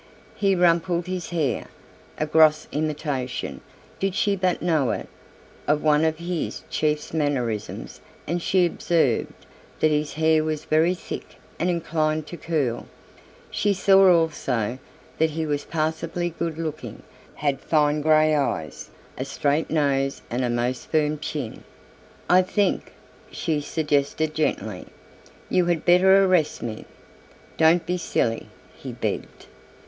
He rumpled his hair, a gross imitation, did she but know it, of one of his chief's mannerisms and she observed that his hair was very thick and inclined to curl. She saw also that he was passably good looking, had fine grey eyes, a straight nose and a most firm chin. "I think," she suggested gently, "you had better arrest me." "Don't be silly," he begged.